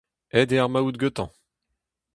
Aet eo ar maout gantañ.